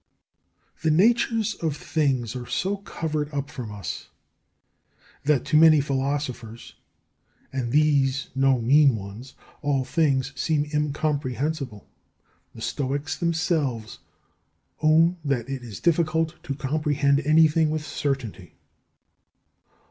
10. The natures of things are so covered up from us, that to many philosophers, and these no mean ones, all things seem incomprehensible. The Stoics themselves own that it is difficult to comprehend anything with certainty.